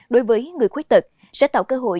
đối với người khuyết tực sẽ tạo cơ hội